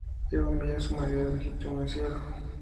Luego envía a su marido legítimo de cielo.